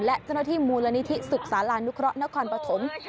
และเจ้าหน้าที่มูลนิธิสุขศาลานุเคราะห์นครปฐม